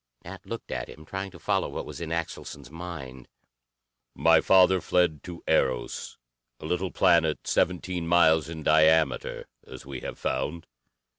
Nat looked at him, trying to follow what was in Axelson's mind. "My father fled to Eros, a little planet seventeen miles in diameter, as we have found.